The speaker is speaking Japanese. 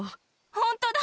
ホントだ！